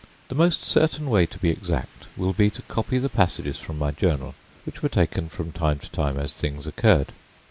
The most certain way to be exact will be to copy the passages from my journal, which were taken from time to time as things occurred.